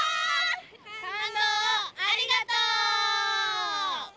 感動をありがとう。